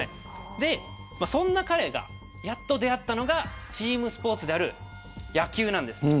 そんな彼がやっと出会ったのがチームスポーツである野球なんです。